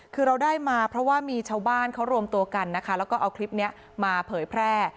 คือเราได้มาเพราะว่ามีชาวบ้านเขารวมตัวกันนะคะแล้วก็เอาคลิปนี้มาเผยแพร่